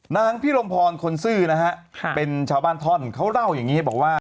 นางพิรมพรคนซื่อนะฮะเป็นชาวบ้านท่อนเขาเล่าอย่างนี้บอกว่า